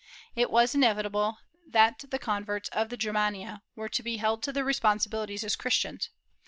It was inevitable that the converts of the Germania were to be held to their responsibilities as Christians.